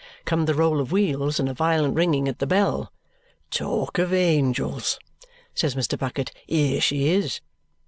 Come the roll of wheels and a violent ringing at the bell. "Talk of the angels," says Mr. Bucket. "Here she is!"